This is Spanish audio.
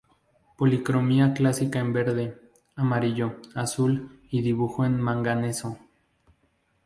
Policromía clásica en verde, amarillo, azul y dibujo en "manganeso".